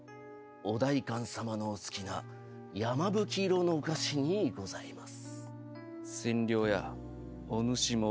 お代官さまのお好きな山吹色の菓子にございます。